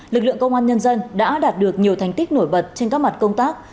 lực lượng công an nhân dân đã đạt được nhiều thành tích nổi bật trên các mặt công tác